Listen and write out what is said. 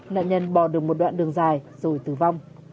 nạn nhân bò đường một đoạn đường dài rồi tử vong